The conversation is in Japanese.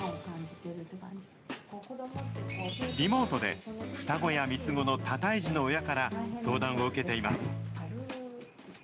リモートで、双子や３つ子の多胎児の親から相談を受けています。